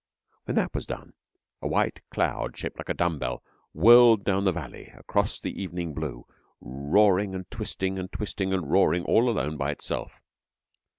When that was done, a white cloud shaped like a dumb bell whirled down the valley across the evening blue, roaring and twisting and twisting and roaring all alone by itself.